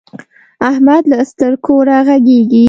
احمد له ستره کوره غږيږي.